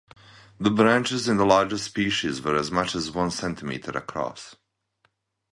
The branches in the largest species were as much as one centimeter across.